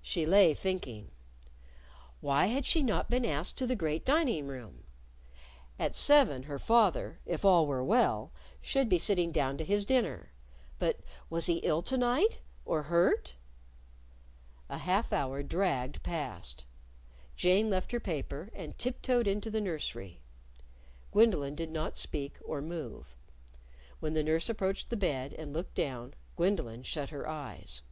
She lay thinking. Why had she not been asked to the great dining room? At seven her father if all were well should be sitting down to his dinner. But was he ill to night? or hurt? A half hour dragged past. Jane left her paper and tiptoed into the nursery. Gwendolyn did not speak or move. When the nurse approached the bed and looked down, Gwendolyn shut her eyes.